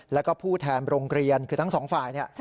แล้วก็ผู้แทนโรงเรียนคือทั้งสองฝ่ายเนี่ย